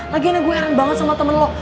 lagian ya gue heran banget sama temen lo